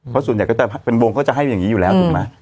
เพราะส่วนใหญ่เป็นบงก็จะให้อย่างนี้อยู่แล้ว